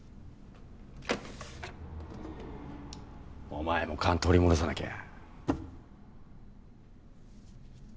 お前も勘取り戻さなきゃ。